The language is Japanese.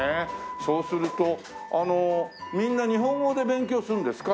そうするとみんな日本語で勉強するんですか？